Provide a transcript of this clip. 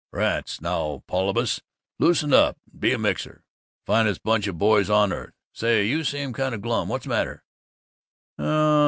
"Rats now, Paulibus, loosen up and be a mixer! Finest bunch of boys on earth! Say, you seem kind of glum. What's matter?"